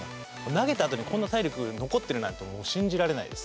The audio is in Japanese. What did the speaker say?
投げたあとにこんな体力残ってるなんてもう信じられないです。